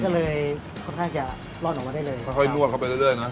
ก็เลยค่อนข้างจะล่อนออกมาได้เลยค่อยลวกเข้าไปเรื่อยนะ